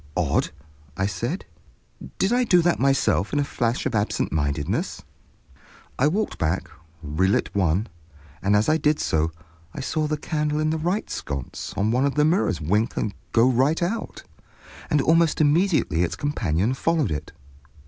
"Odd," I said. "Did I do that myself in a flash of absent mindedness?" I walked back, relit one, and as I did so I saw the candle in the right sconce of one of the mirrors wink and go right out, and almost immediately its companion followed it.